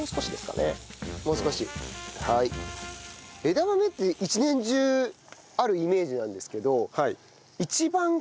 枝豆って一年中あるイメージなんですけど。